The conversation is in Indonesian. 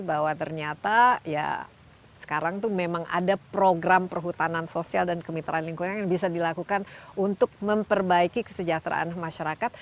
bahwa ternyata ya sekarang tuh memang ada program perhutanan sosial dan kemitraan lingkungan yang bisa dilakukan untuk memperbaiki kesejahteraan masyarakat